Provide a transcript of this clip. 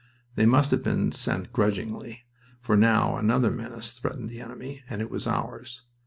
They must have been sent grudgingly, for now another menace threatened the enemy, and it was ours.